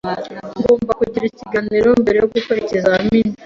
Ngomba kugira ikiganiro mbere yo gukora ikizamini.